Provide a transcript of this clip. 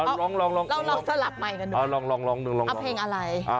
น้องแล้วลองสลับใหม่นึงลองทึ่งอะไร